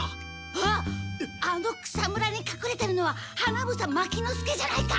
あっあの草むらにかくれてるのは花房牧之介じゃないか！